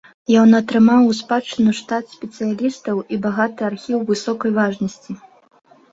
Ён атрымаў у спадчыну штат спецыялістаў і багаты архіў высокай важнасці.